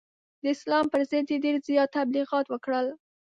د اسلام پر ضد یې ډېر زیات تبلغیات وکړل.